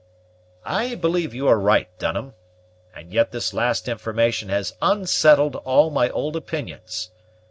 "I believe you are right, Dunham; and yet this last information has unsettled all my old opinions.